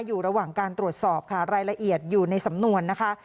อยู่ระหว่างการตรวจสอบค่ะรายละเอียดอยู่ในสำนวนนะคะ